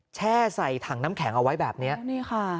แช่ใส่ถังน้ำแข็งเอาไว้แบบนี้